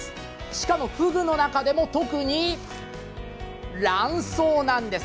しかも、ふぐの中でも特に卵巣なんです。